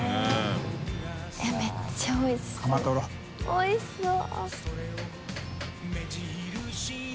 おいしそう。